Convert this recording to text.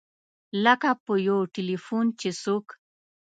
لکه په یو ټیلفون چې څوک.